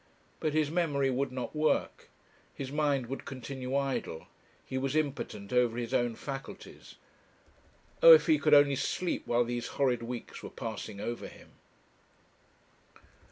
But his memory would not work; his mind would continue idle; he was impotent over his own faculties. Oh, if he could only sleep while these horrid weeks were passing over him!